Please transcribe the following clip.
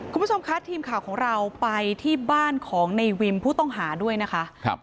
คุณผู้ชมคะทีมข่าวของเราไปที่บ้านของในวิมผู้ต้องหาด้วยนะคะ